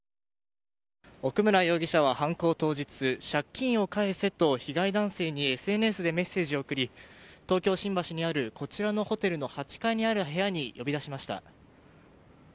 奥村容疑者は犯行当日借金を返せと被害男性にＳＮＳでメッセージを送り東京・新橋にあるこちらのホテルの８階にある部屋に呼び出しました。